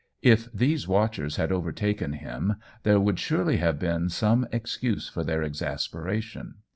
If these watchers had overtaken him there would surely have been some ex cuse for their exasperation.